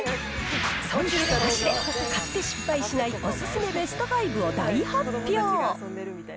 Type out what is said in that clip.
そんたくなしで買って失敗しないお勧めベスト５を大発表。